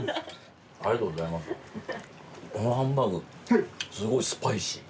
このハンバーグすごいスパイシー。